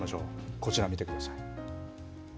こちら、見てください。